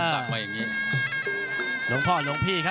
นักมวยจอมคำหวังเว่เลยนะครับ